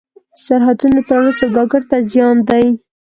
د سرحدونو تړل سوداګر ته زیان دی.